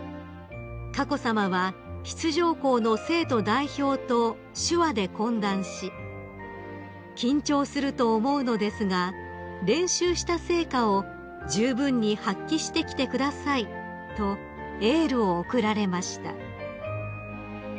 ［佳子さまは出場校の生徒代表と手話で懇談し「緊張すると思うのですが練習した成果をじゅうぶんに発揮してきてください」とエールを送られました］